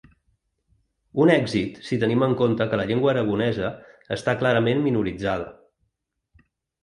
Un èxit si tenim en compte que la llengua aragonesa està clarament minoritzada.